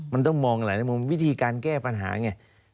มันต้องมองหลายมุมวิธีการแก้ปัญหาไง